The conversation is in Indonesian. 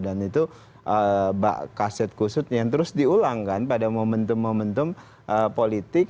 dan itu kaset kusut yang terus diulangkan pada momentum momentum politik